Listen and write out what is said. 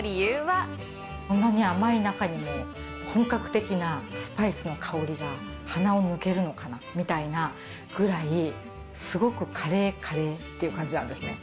こんなに甘い中にも、本格的なスパイスの香りが鼻を抜けるのかなみたいなぐらい、すごくカレー、カレーっていう感じなんですね。